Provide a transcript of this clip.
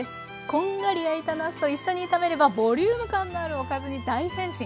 こんがり焼いたなすと一緒に炒めればボリューム感のあるおかずに大変身。